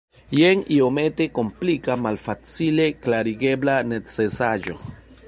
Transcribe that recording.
Jen iomete komplika malfacile klarigebla necesaĵo.